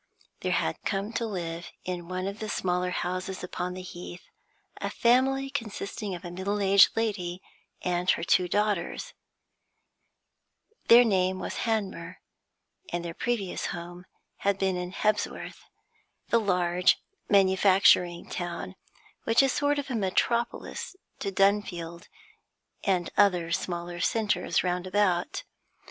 There had come to live, in one of the smaller houses upon the Heath, a family consisting of a middle aged lady and her two daughters; their name was Hanmer, and their previous home had been in Hebsworth, the large manufacturing town which is a sort of metropolis to Dunfield and other smaller centres round about.